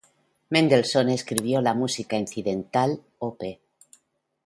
Mendelssohn escribió la música incidental, op.